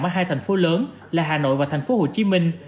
ở hai thành phố lớn là hà nội và thành phố hồ chí minh